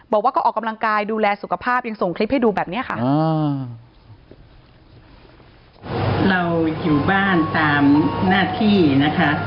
บอกว่าก็ออกกำลังกายดูแลสุขภาพยังส่งคลิปให้ดูแบบนี้ค่ะ